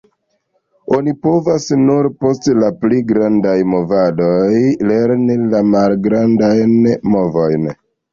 Oni povas nur post la pli grandaj movadoj lerni la malgrandajn movojn.